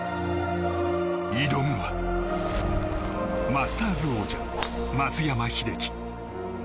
挑むはマスターズ王者松山英樹。